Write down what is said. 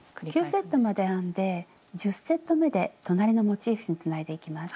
９セットまで編んで１０セットめで隣のモチーフにつないでいきます。